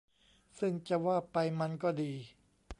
ซึ่งจะว่าไปมันก็ดี